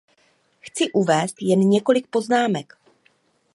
Chci uvést jen několik poznámek.